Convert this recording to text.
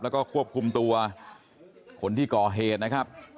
แล้วก็ควบคุมตัวคนที่ก่อเหตุนะครับ